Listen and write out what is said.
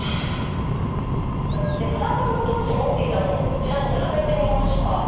多田さんが当時持っていたものをこちらに並べてみました。